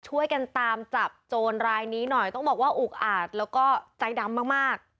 ช่วยกันตามจับโจรรายนี้หน่อยต้องบอกว่าอุกอาดแล้วก็ใจดำมากมาก